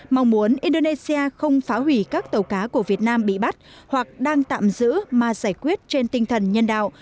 mong muốn indonesia không phá hủy các tàu cá của việt nam bị bắt hoặc đang tạm giữ mà giải quyết trên tinh thần nhân đạo